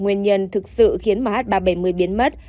nguyên nhân thực sự khiến mh ba trăm bảy mươi biến mất